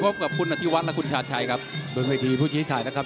พบกับคุณอธิวัฒน์และคุณชาญชัยครับบนเวทีผู้ชี้ขาดนะครับ